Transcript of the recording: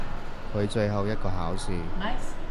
佢最後一個考試！